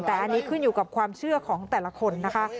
แต่อันนี้ขึ้นอยู่กับความเชื่อของแต่ละคนนะคะ